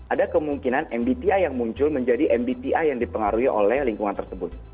ada kemungkinan mbti yang muncul menjadi mbti yang dipengaruhi oleh lingkungan tersebut